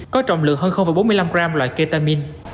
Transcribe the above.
có trọng lượng hơn bốn mươi năm gram loại ketamin